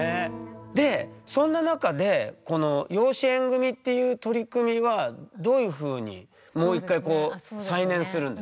でそんな中でこの養子縁組っていう取り組みはどういうふうにもう一回再燃するんですか？